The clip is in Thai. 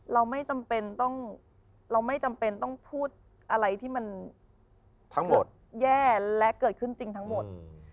เราไม่จำเป็นต้องพูดอะไรที่มันแย่และเกิดขึ้นจริงทั้งหมด